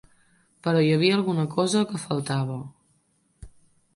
Però hi havia alguna cosa que faltava.